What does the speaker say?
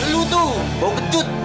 lu tuh bau kecut